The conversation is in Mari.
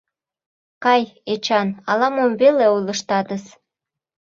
— Кай, Эчан, ала-мом веле ойлыштатыс.